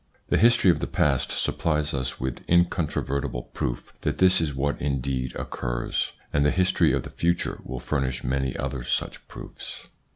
The history of the past supplies us with incon trovertible proof that this is what indeed occurs, and the history of the future will furnish many other such proofs.